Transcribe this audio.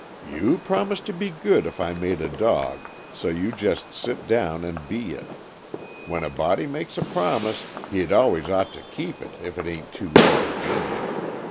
"You promised to be good if I made a dog, so you just sit down and be it. When a body makes a promise, he'd always ought to keep it, if it ain't too inconvenient.